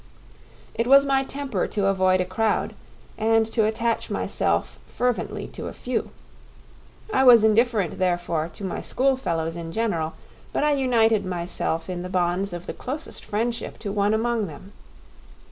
It was my temper to avoid a crowd and to attach myself fervently to a few. I was indifferent, therefore, to my school fellows in general; but I united myself in the bonds of the closest friendship to one among them.